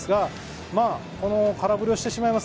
この空振りをしてしまいます。